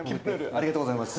ありがとうございます。